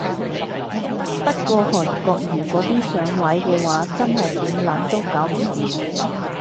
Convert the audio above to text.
不過韓國瑜嗰啲上位嘅話真係點諗都搞唔掂